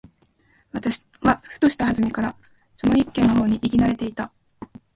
私はふとした機会（はずみ）からその一軒の方に行き慣（な）れていた。